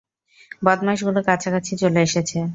বদমাশগুলো কাছাকাছি চলে এসেছে!